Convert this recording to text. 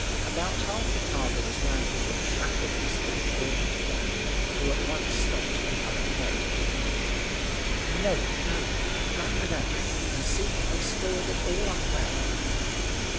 About half the cargo was landed when Shackle whispered an order to Ram, who at once stooped to pick up a keg. "No, no; run without, and see that they store them all up well."